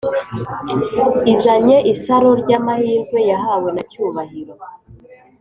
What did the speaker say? izanye isaro ryamahirwe yahawe na cyubahiro